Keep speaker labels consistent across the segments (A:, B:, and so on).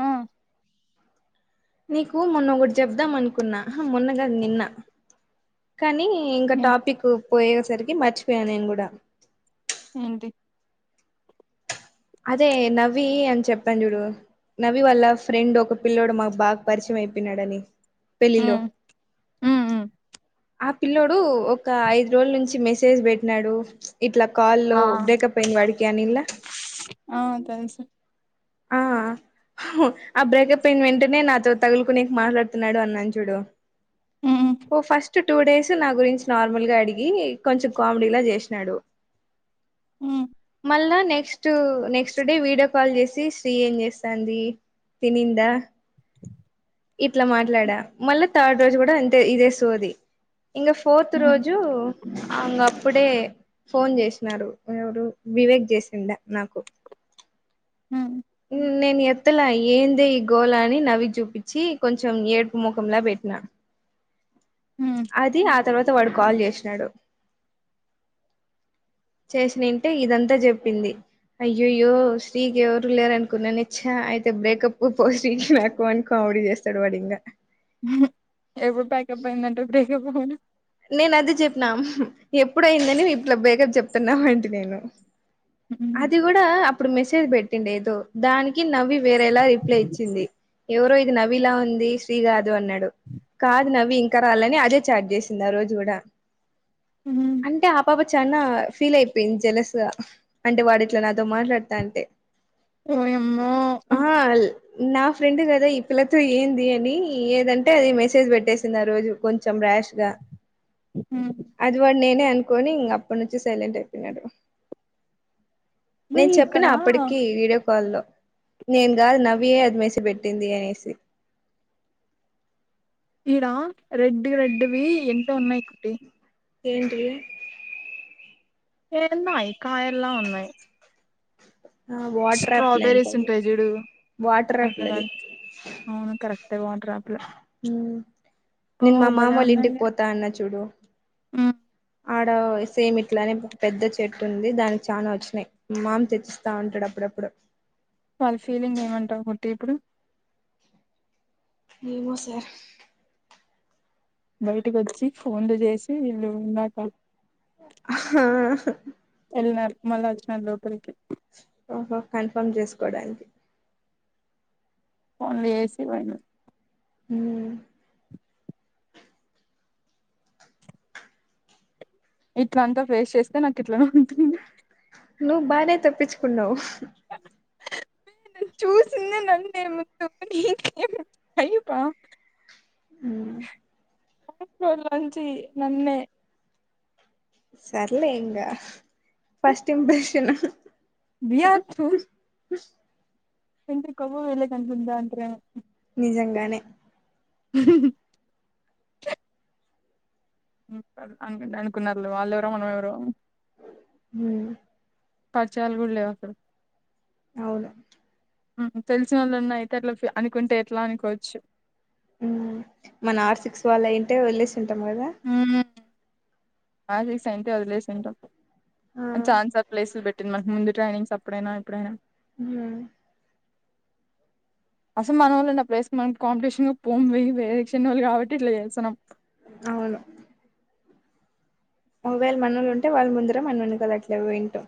A: ఆ
B: నీకు మొన్న ఒకటి చేబద్దాం అనుకున్నా మొన్నగాదు నిన్న కానీ ఇంకా
A: ఏ
B: టాపిక్ పోయసరికి మర్చిపోయా నేను కూడా
A: ఏంటి
B: అదే నవ్వి అని చెప్పాను చూడు నవి వల్ల ఫ్రెండ్ ఒక పిల్లోడు మాకు బాగా పరిచయం అయిపోయినాడని పెళ్లిలో
A: ఉమ్ ఉమ్ ఉమ్
B: ఆ పిల్లోడు ఒక ఐదు రోజుల నుంచి మెసేజ్ పెట్టినాడు ఇట్లా కాల్ లో
A: ఆ
B: బ్రేకప్ అయింది వాడికి అనిండ్ల
A: ఆ తెలుసు
B: ఆ అ [unintelligible] బ్రేకప్ అయిన వెంటనే నాతో తగులుకునేకు మాట్లాడుతున్నాడు అన్నాను చూడు
A: ఉమ్
B: ఓ ఫస్ట్ టూ డేస్ నా గురించి నార్మల్ గా అడిగి కొంచెం కామెడీలా చేసిషి నాడు
A: హ్మ్
B: మళ్ళా next next day video call చేసి త్ శ్రీ ఏం చేస్తంది తినిందా ఇట్లా మాట్లాడా మళ్ళా థర్డ్ రోజు కూడా ఇంతే ఇదే సోది ఇంక ఫోర్త్
A: ఉమ్
B: రోజు అంగ అప్పుడే ఫోన్ చేసినారు ఎవరు వివేక్ చేసింద నాకు
A: ఉమ్
B: నేను ఎత్తలా ఏందే ఈ గోలా అని నవ్వి చూపించి కొంచెం ఏడుపు ముఖంలా పెట్ ఇలా
A: ఉమ్
B: అది ఆ తర్వాత వాడు కాల్ చేసినాడు చేసినంటే ఇదంతా చెప్పింది అయ్యోయో శ్రీ కి ఎవరు లేరునుకున్నానే చ్చా అయితే బ్రేకప్ [unintelligible] శ్రీ కి నాకు అనుకో ఓడే చేస్తడు వాడింగ
A: ఎప్పుడు బ్యాకప్ అయిందంటే బ్రేకప్ అయినా
B: నేను అదే చెప్పినం ఎప్పుడైందని ఇప్ల బ్రేకప్ చెప్తున్నావ్ అంటి నేను అది కూడా అప్పుడు మెసేజ్ పెట్టిండ ఏదో దానికి నవ్వి వేరేలా రిప్లై ఇచ్చింది ఎవరో ఇది నవ్విలా ఉంది శ్రీ కాదు అన్నాడు కాదు నవ్వి ఇంకా రాలే అని అజయ్ చాట్ చేసి ఆ రోజు కూడా
A: ఉమ్
B: అంటే ఆపప చానా ఫీల్ అయిపోయింది జలసా అంటే వాడు ఇట్లా నాతో మాట్లాడతా ఉంటే
A: ఓయమ్మో
B: నా ఫ్రెండ్ కదా ఈ పిల్లతో ఏంది అని ఏదంటే అది మెసేజ్ పెట్టేసింది ఆ రోజు కొం చంరాష్ గా
A: ఉమ్
B: అది వాడు నేనే అనుకోని ఇంక అప్పటి నుంచి సైలెంట్ అయిపోయినాడు
A: మరి
B: నేను చెప్పిన
A: ఇక్కడ
B: అప్పటికి వీడియో వా లో నేను కాదు నవ్వియే అది మెసేజ్ పెట్టింది అనేసి
A: ఈడా రెడ్ రెడ్వి ఎంటో ఉన్నాయి కుట్టి
B: ఏంటివి
A: ఏడన్నాయి కాయలా ఉన్నాయి
B: ఆ వాటర్ యాపిల్ అంట
A: స్ట్రాబెరీస్
B: అది
A: ఉంటాయి చూడు
B: వాటర్ యాపిల్
A: అట్లా
B: అది
A: అవును కరెక్ట్ [unintelligible]
B: హ్మ్ నేను మా మామ వాళ్ళ ఇంటికి పోతా అన్న చూడు
A: హ్మ్
B: ఆడ సేమ్ ఇట్లానే పెద్ద చెట్టు ఉంది దానికి చానా వచ్చినాయి మామ్ తెచ్చిస్తా ఉంటాడు అప్పుడు ఎప్పుడో
A: వాళ్ళ ఫీలింగ్ ఏమంటావు పొట్టి ఇప్పుడు
B: ఏమో సార్
A: బయటకి వచ్చి ఫోన్లు చేసి వీళ్ళు ఉన్నాక
B: [unintelligible]
A: వెళ్ళిన మళ్ళా వచ్చినారు లోపరికి
B: ఓహో కన్ఫర్మ్ చేసుకోడానికి
A: ఫోన్లు చేసి పోయిన
B: ఉ
A: ఇట్ల అంతా ఫేస్ చేస్తే నాకు ఇట్లనే ఉంటుంది
B: నువ్వు బానే తప్పించుకున్నావు
A: చూసిందే నన్నే ముతు అయిపా
B: ఉ
A: [unintelligible] నుంచి నన్నే
B: సర్లే ఇంగ ఫస్ట్ ఇంప్రెషన్
A: బియా తు
B: బస్
A: తంత్రి కొవ్వు వీళ్లకెంతుందా అంత్రే
B: నిజంగానే
A: ఉ అనుకుంటే అనుకున్నారులే వాళ్లేవరో మనం ఎవరో
B: ఉ
A: పరిచయాలు కూడా లేవు అక్కడ
B: అవును
A: తెలిసిన వాళ్ళు ఉన్నా అయితే అట్లా అనుకుంటే ఎట్లా అనుకోవచ్చు
B: ఉ మన ఆర్ సిక్స్ వాళ్ళ అయింటే వదిలేసుంటే వాళ్ళ
A: హాలిడేస్ అయ్యుంటే వదిలేసిండు ఆ చాన్స ప్లేస్ పెట్ ట మకు ముందు ట్రైనింగ్స్ అప్పుడైనా ఎప్పుడైనా
B: ఉ
A: అసలు మన వాళ్ళ నా పేస్ మనం కాంపిటీషన్ పొంమి వేరే చిన్న వాళ్ళు కాబట్టి ఇట్లా చేస్తన్నాం
B: అవును ఒకవేళ మనోళ్ళు ఉంటే వాళ్ళ ముందరే మనని కదా అట్లే పోయింటాం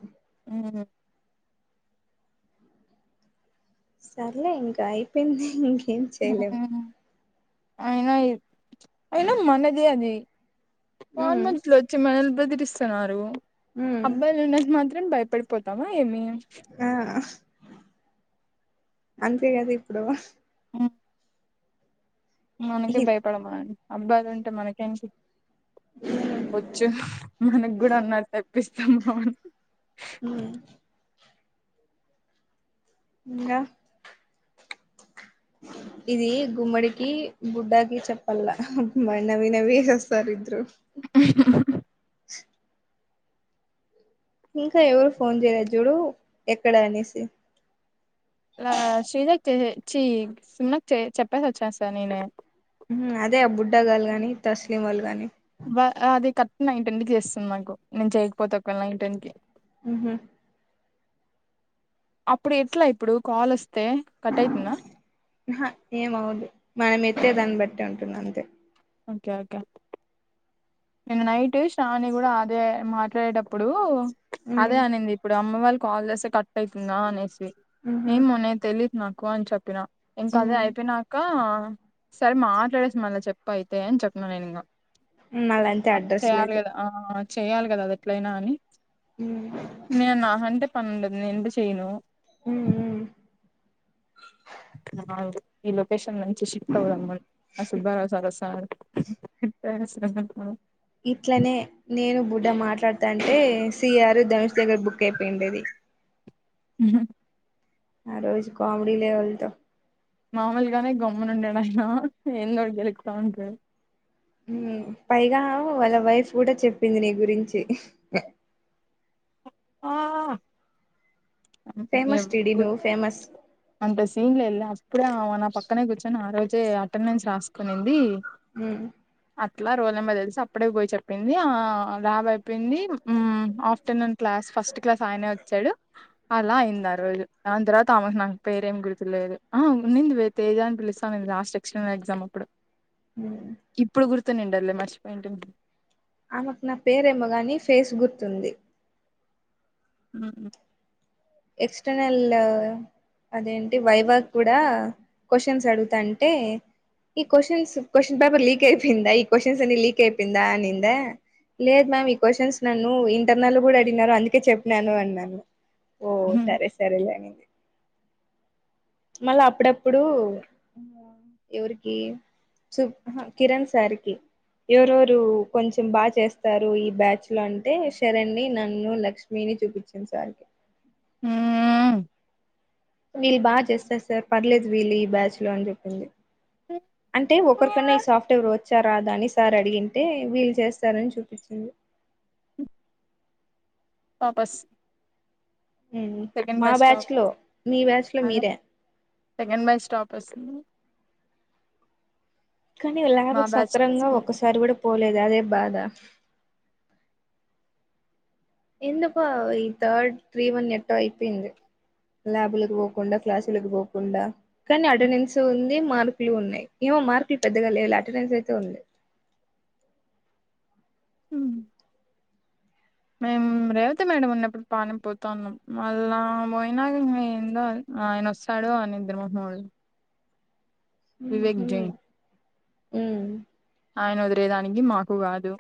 A: ఆ
B: సర్లే అయిపోయింది ఇంకేం చేయలేం
A: అయినా అయినా మనదే అది ఫన్
B: మ్మ్
A: మనుషులు వచ్చి మనల్ బెదిరిస్తున్నారు
B: మ్మ్
A: అబ్బాయిలు ఉన్నంత మాత్రం భయపడిపోతావా ఏమి
B: ఆ అంతే కదా ఇప్పుడు
A: ఆ మనకే భయపడమండి అబ్బాయిలు ఉంటే మనకేంటి వచ్చు మనకు కూడా అన్నారు తెప్పిస్తాము
B: ఉ ఇంగా ఇది గుమ్మడికి బుడ్డాకిి చెప్పల్ల వాళ్ళు నవి నవి సస్తారు ఇద్దరు ఇంకా ఎవరు ఫోన్ చేయలే చూడు ఎక్కడ అనేసి
A: ఆ శ్రీజకి చేసి చి సుమా చె చెప్పేసి వచ్చేసా నేనే
B: ఉ అదే ఆ బుడ్డగాళ కానీ తస్లిం వాళ్ళు కాని
A: బ అది కరెక్ట్ నైన్ టెన్ కి చేస్తుంది మాకు నేను చేయకపోతే ఒకవేళ నైన్ టెన్ కి
B: ఉహు
A: అప్పుడు ఎట్లా ఇప్పుడు కాల్ వస్త
B: ఆహా ఏమవుద్దు మనం ఎత్తే దాన్ని బట్టి ఉంటుంది అంతే
A: ఓకే ఓకే నేను నైట్ శ్రావణి కూడా అదే మాట్లాడేటప్పుడు అదే
B: ఉమ్
A: అనింది ఇప్పుడు అమ్మ వాళ్ళు కాల్ చేస్తే కట్ అయితుందా అనేసి
B: ఉహు
A: ఏమో నే తెలిదు నాకు అని చెప్పిన ఇంకా అదే
B: ఉమ్
A: అయిపోయినాక సరే మాట్లాడేసి మళ్ళా చెప్ప అయితే అని చెప్పన్నా నేను ఇంగా
B: మళ్ళంతే అడ్రస్
A: చేయ్యాలి
B: లేదు
A: కదా ఆ చెయాలి కదా అది ఎట్లయినా అని
B: ఉమ్
A: నేను నా కంటే అంటే పన్నండదు నేనుఅంటే చేయ్యను
B: హ్మ్మ్
A: ఈ లొకేషన్ నుంచి షిఫ్ట్ అవుదమ్మ నా సుబ్బారావు సార్ వస్తోన్నాడు తెలుసు కదా మనకు
B: ఇట్లనే నేను బుడ్డ మాట్లాడుత అంటే సిఆర్ దనుష్ దగ్గర బుక్ అయిపోయిండేది
A: హ్మ్మ్ హా
B: ఆ రోజు కామెడీ లెవెల్ తో
A: మామూలుగానే గమ్మన ఉండడాయినా ఎందో గెలుక్తా ఉంటాడు
B: హ్మ్మ్ పైగా వాళ్ళ వైఫ్ కూడా చెప్పింది నీ గురించి
A: ఆ
B: ఫేమస్ టిడి
A: గుడ్
B: నువ్వు ఫేమస్
A: అంత సీన్ల ఎలా ఇప్పుడే ఆమె నా పక్కనే కూర్చొని ఆ రోజే అటెండెన్స్ రాసుకునింది
B: హ్మ్మ్
A: అట్లా రోల్ నెంబర్ తెలిసి అప్పడే పోయి చెప్పింది ఆ ల్యాబ్ అయిపోయింది హ్మ్మ్ ఆఫ్టర్నూన్ క్లాస్ ఫస్ట్ క్లాస్ ఆయనే వచ్చాడు అలా అయింది ఆ రోజు దాని తరువాత ఆమె నాకు పేరేం గుర్తులేదు హా ఉనిదివే తేజని పిలిస్తా లాస్ట్ ఎక్స్టర్నల్ ఎగ్జామ్ అప్పుడు
B: హ్మ్మ్
A: గుర్తుండేదిలే మర్చిపోయటుంది
B: ఆమెకు నా పేరెమ్మగాని ఫేస్ గుర్తుంది
A: అ
B: ఎక్స్టర్నల్ అదేంటి వైవాకి కూడా క్వశ్చన్స్ అడుగుతాంటే ఈ క్వశ్చన్స్ క్వశ్చన్ పేపర్ లీక్ అయిపోయిందా ఈ క్వశ్చన్స్ అని లీక్ అయిపోయిందా అనిందా లేదు మ్యామ్ ఈ క్వశ్చన్స్ నన్ను ఇంటర్నల్ కూడా అడిగనారు అందుకే చెప్పినాను అన్నాను ఓ
A: హ్మ్
B: సరే సరే లే అనింది మళ్ళా అప్పుడప్పుడు ఎవరికి సు కిరణ్ సార్ కి ఎవరవరు కొంచెం బాగా చేస్తారు ఈ బ్యాచ్ లో అంటే శరణ్ని నన్ను లక్ష్మీ చూపించింది సార్ కి
A: హ
B: వీళ్ళు బా చేస్తారు సార్ పర్లేదు వీళ్ళు ఈ బ్యాచ్ లో అని చెప్పింది అంటే ఒకరికన్నా ఈ సాఫ్ట్వేర్చ్చ వచ్చారా దా అని సార్ అడిగింటే వీళు చేస్తారని చూపించింది
A: వాపస్
B: మా బ్యాచ్ లో మీ బ్యాచ్ లో
A: అదే
B: మీరే
A: సెకండ్ బై స్టాప్ వస్తుంది
B: కానీ
A: మా
B: భకు
A: బ్యాచ్
B: సక్రంగా ఒక్కసారి కూడా పోలేదు అదే బాధ ఎంత పా ఈ తర్ త్రీవన్ ఎట్ట ఆయిపోయింది ల్యాబ్లకు పోకుండా క్లాసులలకు పోకుండా కానీ అటెండెన్స్ ఉంది మార్కులు ఉన్నాయి మార్కులు పెద్దగా లేళ అటెండెన్స్ అయితే ఉంది
A: మేము రేవతి మేడం ఉన్నప్పుడు బానే పోతా ఉన్నాం మళ్ళా పోయినాక ఏందో ఆయన వస్తాడు ఆ నిదుర మోహమోడు వివేక్ జైన్
B: మ్మ్
A: ఆయన అదిరేదానికి మాకు కాదు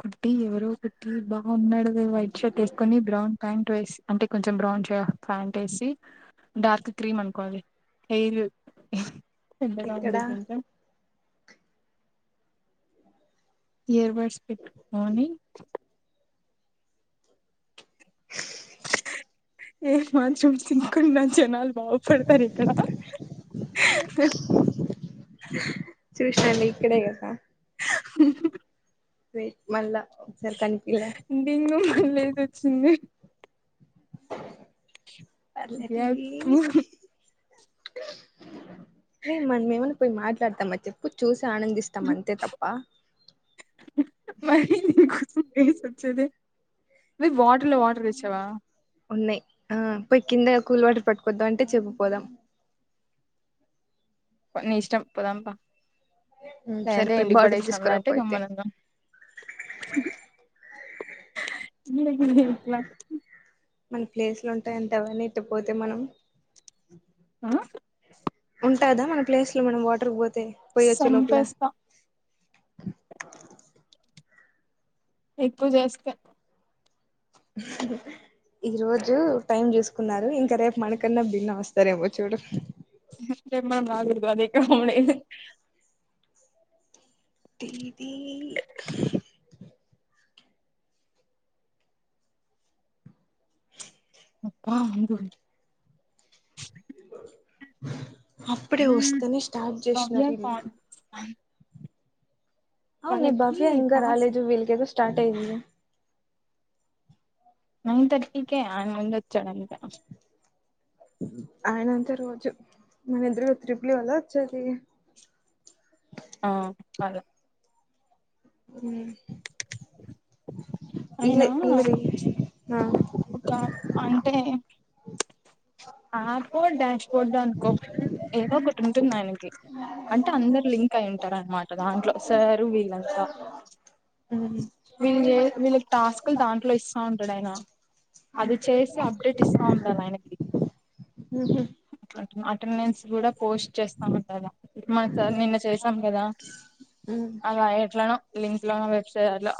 A: కుర్తి ఎవరో కుర్తి బాగున్నాడు వైట్ షర్ట్ వేసుకొని బ్రౌన్ ప్యాంట్ అంటే కొంచెం బ్రౌన్ ఫ్యాంట్ వేసి డార్క్ క్రీమ్ అనుకోవాలి హెయిర్ ఎబ్బడగా
B: ఇక్కడ
A: ఉంది కొంచెం ఇయర్ బర్డ్స్ పెట్టుకొని ఏ మష్రూమ్స్ తినుకుంటున్నా జనాలు బాగుపడతారు ఇక్కడ స
B: చూసినా ఇక్కడే గా సార్ మళ్ళ
A: డెంగు మలేరియా వచ్చింది
B: పర్లేదు
A: యప్పు
B: తియ్యి రే మనమేమన్న పోయి మాట్లాడతామా చెప్పు చూసి ఆనందిస్తాం అంతే తప్ప
A: మనకు కోసం ఫ్రెండ్స్ వచ్చేది
B: ఉన్నాయి ఆ ఈ కింద కూల్ వాటర్ పట్టుకోద్దాం అని చెప్పి పోదాం
A: ని ఇష్టం పోదాం పా
B: మ్మ్ సరే
A: లేదంటే
B: పోయి
A: ఇంటికి
B: బాటిల్
A: పడేసినాం అంటే
B: తీసుకురాపో అయితే
A: గమ్మున ఉందాం ఎట్లా
B: మన ప్లేస్లు ఉంటాయంటావా ఇట్టపోతే మనం
A: ఆ
B: ఉంటాదా మన ప్లేస్ లు మనం వాటర్కి పోతే పోయొచ్చే లోపల
A: సంపేస్తా ఎక్కువ చేస్తా
B: ఈ రోజు టైం చూసుకున్నారు ఇంకా రేపు మనకన్నా భిన్నమోస్తారేమో చూడు
A: రేపు నేను రాను కాబట్టే పోవుడే
B: తియ్యి తియ్
A: అబ్బా ఉండు
B: అప్పుడే వస్తేనే స్టార్ట్
A: భవ్య
B: చేసినారు వీళ్ళు
A: కాల్
B: అవును
A: వాళ్ళకి
B: బస్సు ఇంకా
A: టాస్క్
B: రాలేదు వీల్తోటి స్టార్ట్ అయింది
A: నైన్ థర్టీ కే ఆయన ముందోచ్చాడు అంతే
B: ఆయనంత రోజు మన ఇద్దరి ట్రిప్పుల వల్ల వచ్చేది
A: ఆ అదే
B: మ్మ్
A: ఆయన
B: ఇల్లే
A: ఒక ఆ డాన్స్ ప్రోగ్రాం డాష్ బోర్డ్ అనుకో ఏదో ఒకటి ఉంటుంది ఆయనకి అంటే అందరు లింక్ అయి ఉంటారు అన్నమాట దాంట్లో సారు వీళ్ళంతా వీళ్ళకు టాస్క్లు దాంట్లో ఇస్తా ఉంటాడు ఆయనా అది చేసి అప్డేట్ ఇస్తా ఉండాలి ఆయనకి
B: మ్మ్ హ్హ్
A: అటెండెన్స్ కూడా పోస్ట్ చేస్తామన్నాము మా సార్ నిన్న చేసాం కదా అలా ఎట్లానో లింక్ లోన వెబ్సైట్లో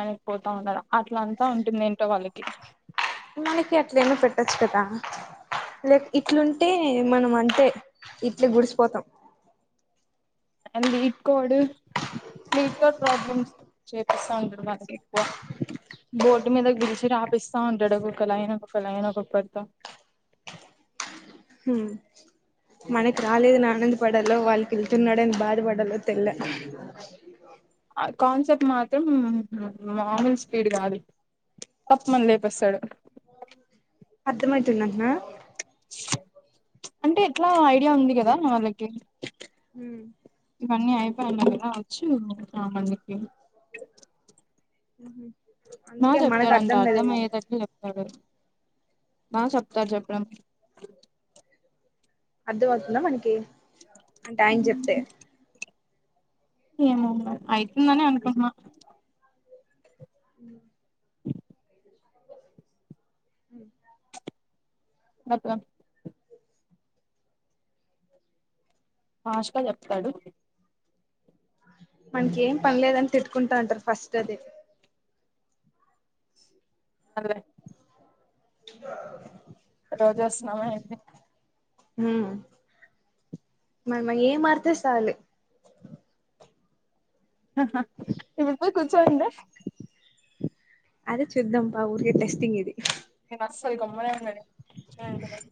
A: అనేపోతా ఉన్నారు అట్ల అంతా ఉంటుంది ఏంటో వాళ్ళకి
B: మనకి అట్ల ఏన్నో పెట్టచ్చు కదా లైక్ ఇట్లుంటే మనం అంటే ఇట్లి గుడిసిపోతాం
A: అ ఇట్కోడు మీట్ కూడా ప్రాబ్లమ్స్ చేపిస్తా అందురు మ ఎక్కువ బోర్డు మీదకు పిలిచి రాపిస్తా ఉంటాడు ఒక ఒకలా అయినా ఒక ఒకలా అయినా ఒక పడుత
B: మనకు రాలేదు నా ఆనందపడాలో వాళ్ళకి వెళ్తున్నాడని బాధపడలో తెల్ల
A: ఆ కాన్సెప్ట్ మాత్రం మామూల్ స్పీడ్ కాదు తపం మని లేపస్తాడు
B: అర్ధమయితుందటనా
A: అంటే ఎట్లా ఐడియా ఉంది కదా వాళ్ళకి
B: హ్మ్
A: ఆని అయిపోయినవి కావచ్చు ఆ మందికి
B: ఉ హ
A: నా చెప్తాడు అంట అర్థం అయ్యేటట్టులు చెప్తాడు మా చెప్తారు చెప్పడం
B: హలో అర్ధ అవుతుందా మనకి అంటే ఆయన చెప్తే
A: ఏమో మరి అవుతుందని అనుకున్నా
B: ఉ
A: ఉ
B: ఉ
A: మగ్గం ఫాస్ట్ గా చెప్తాడు
B: వానికి ఏం పనిలేదని తిట్టుకుంటా అంటారు ఫస్ట్ అది
A: అదే
B: ఇంకా
A: రోజా స్నానం అయింది
B: ఉ మనం ఏ మోస్తే చాలు
A: ఇ పోయి కూర్చోడి
B: అదే చూద్దం పా ఊరికే టెస్టింగ్ ఇది
A: నేనైతే అసలు నమ్మనే నమ్మను చేతబడి